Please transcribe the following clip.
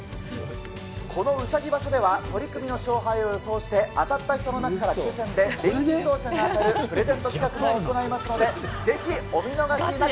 このうさぎ場所では取組の勝敗を予想して、当たった人の中から抽せんで電気自動車が当たるプレゼント企画も行いますので、ぜひお見逃しなく。